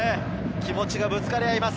気持ちがぶつかり合います。